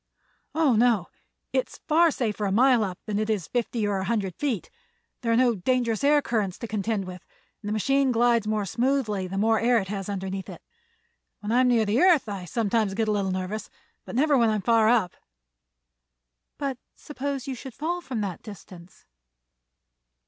"Oh, no; it is far safer a mile up than it is fifty or a hundred feet. There are no dangerous air currents to contend with and the machine glides more smoothly the more air it has underneath it. When I am near the earth I sometimes get a little nervous, but never when I'm far up." "But suppose you should fall from that distance?"